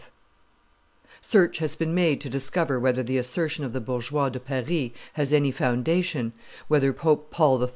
456.] Search has been made to discover whether the assertion of the Bourgeois de Paris has any foundation, whether Pope Paul III.